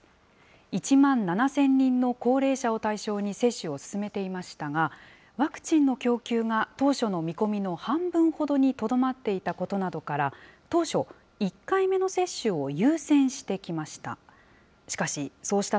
１万７０００人の高齢者を対象に接種を進めていましたが、ワクチンの供給が当初の見込みの半分ほどにとどまっていたことなどから、当初、１回目の接種を優先してきました。